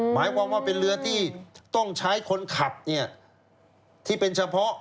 หมายความว่าเป็นเรือที่ต้องใช้คนขับที่เป็นเฉพาะ